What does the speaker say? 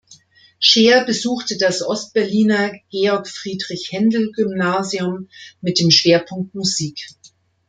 Scheer besuchte das Ost-Berliner Georg-Friedrich-Händel-Gymnasium mit dem Schwerpunkt Musik.